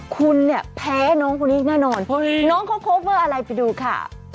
คุณแพ้น้องคุณทิกแน่นอนน้องเขาโคเฟอร์อะไรไปดูค่ะ